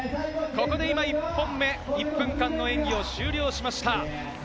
今１本目、１分間の演技を終了しました。